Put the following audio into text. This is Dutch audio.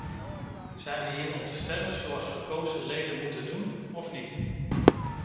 Zijn we hier om te stemmen zoals gekozen leden moeten doen, of niet?